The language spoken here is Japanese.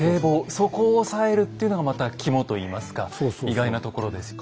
そこを押さえるっていうのがまた肝といいますか意外なところですよね。